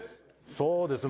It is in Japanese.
そうですね。